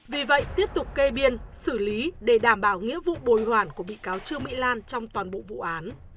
vì vậy tiếp tục kê biên xử lý để đảm bảo nghĩa vụ bồi hoàn của bị cáo trương mỹ lan trong toàn bộ vụ án